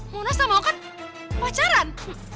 mona sama okan pacaran